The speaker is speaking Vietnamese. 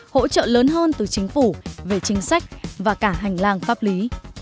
hỗ trợ lớn hơn từ chính phủ về chính sách và cả hành lang pháp lý